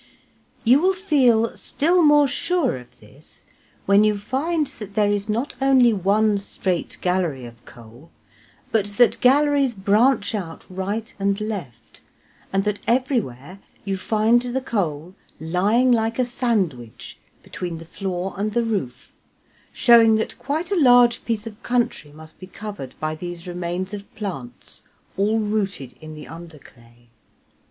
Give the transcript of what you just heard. You will feel still more sure of this when you find that there is not only one straight gallery of coal, but that galleries branch out right and left, and that everywhere you find the coal lying like a sandwich between the floor and the roof, showing that quite a large piece of country must be covered by these remains of plants all rooted in the underclay.